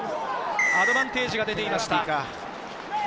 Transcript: アドバンテージが出ています。